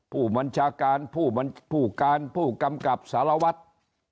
ผู้บัญชาการผู้การผู้กำกับสารวัตร